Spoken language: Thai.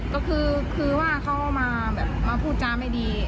ก็คือว่าเขามาแบบมาพูดจาไม่ดี